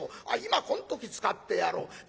「あっ今こん時使ってやろう」。